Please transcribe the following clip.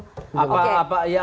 saya tidak tahu